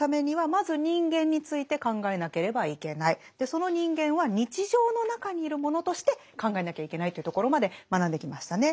その人間は日常の中にいるものとして考えなきゃいけないというところまで学んできましたね。